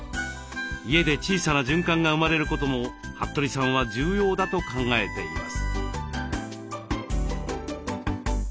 家で小さな循環が生まれることも服部さんは重要だと考えています。